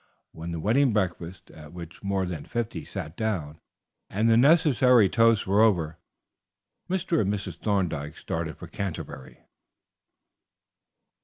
When the wedding breakfast, at which more than fifty sat down, and the necessary toasts were over, Mr. and Mrs. Thorndyke started for Canterbury.